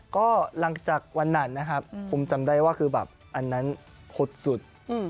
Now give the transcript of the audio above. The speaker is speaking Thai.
ก็หลังจากวันนั้นนะครับผมจำได้ว่าคือแบบอันนั้นหดสุด